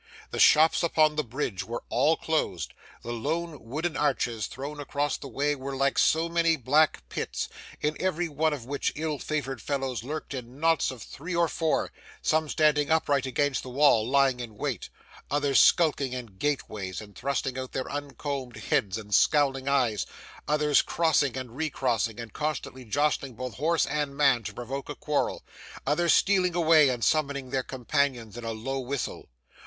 The shops upon the bridge were all closed; the low wooden arches thrown across the way were like so many black pits, in every one of which ill favoured fellows lurked in knots of three or four; some standing upright against the wall, lying in wait; others skulking in gateways, and thrusting out their uncombed heads and scowling eyes: others crossing and recrossing, and constantly jostling both horse and man to provoke a quarrel; others stealing away and summoning their companions in a low whistle.